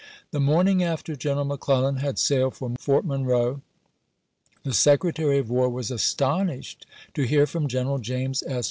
The morning after General McClellan had sailed for Fort Monroe, the Secretary of War was aston ished to hear from General James S.